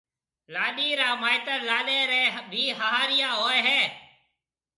لاڏيِ را مائيتر لاڏيَ ريَ بي هاهريا هوئي هيَ۔